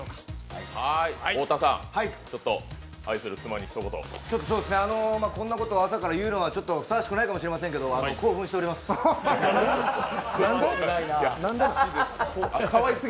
太田さん、愛する妻にひと言こんなことを朝から言うのはちょっとふさわしくないかもしれませんけれども、興奮しております。